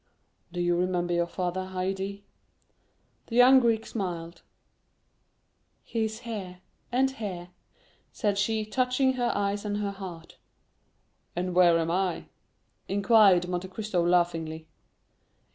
'" "Do you remember your father, Haydée?" The young Greek smiled. "He is here, and here," said she, touching her eyes and her heart. "And where am I?" inquired Monte Cristo laughingly.